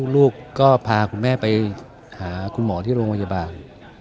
ลูกก็พาคุณแม่ไปหาคุณหมอที่โรงพยาบาล